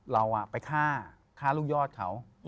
เราไปฆ่าลูกยอดเขา